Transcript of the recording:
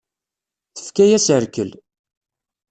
Tefka-yas rrkel.